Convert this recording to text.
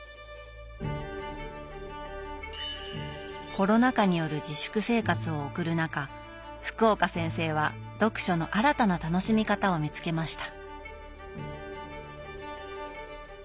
コロナ禍による自粛生活を送る中福岡先生は読書の新たな楽しみ方を見つけました。